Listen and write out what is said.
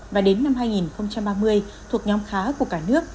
và đến năm hai nghìn ba mươi thuộc nhóm khá của cả nước